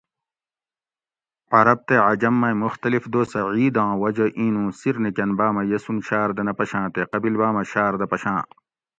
عرب تے عجم مئ مختلف دوسہ عیداں وجہ اینوں سِیر نِکن باۤمہ یَسوُن شاۤردہ نہ پشاۤں تے قبِل باۤمہ شاۤردہ پشاۤں